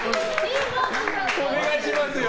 お願いしますよ！